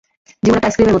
জীবন একটা আইসক্রিমের মত।